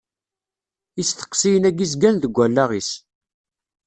Isteqsiyen-agi zgan deg wallaɣ-is.